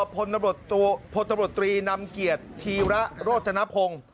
พลตำรวจตรีนำเกียรติธีระโรจนพงศ์